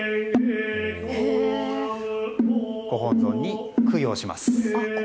ご本尊に供養します。